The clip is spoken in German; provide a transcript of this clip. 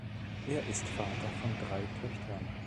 Er ist Vater von drei Töchtern.